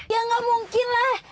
ya nggak mungkin lah